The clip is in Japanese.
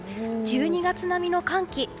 １２月並みの寒気。